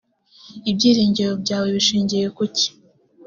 ibyiringiro byawe bishingiye ku ki